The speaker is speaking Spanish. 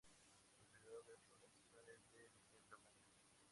El periodo de floración es de diciembre a mayo.